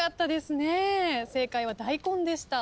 正解は大根でした。